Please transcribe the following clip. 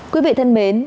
quý vị thân mến